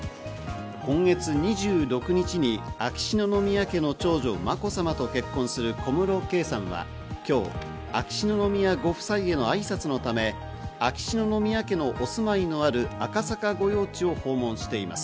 今月２６日に秋篠宮家の長女・まこさまと結婚する小室圭さんは今日秋篠宮ご夫妻への挨拶のため、秋篠宮家のお住まいのある赤坂御用地を訪問しています。